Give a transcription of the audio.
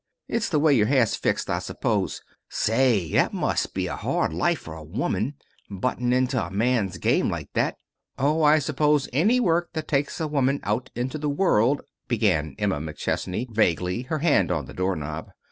It's the way your hair's fixed, I suppose. Say, that must be a hard life for a woman buttin' into a man's game like that." "Oh, I suppose any work that takes a woman out into the world " began Emma McChesney vaguely, her hand on the door knob.